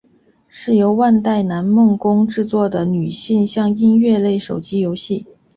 是由万代南梦宫制作的女性向音乐类手机游戏。